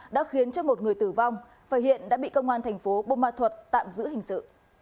đã khiến cho một người tử vong và hiện đã bị công an thành phố bô ma thuật tạm giữ hình sự